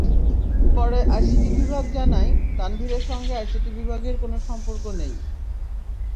পরে আইসিটি বিভাগ জানায়, তানভীরের সঙ্গে আইসিটি বিভাগের কোনো সম্পর্ক নেই।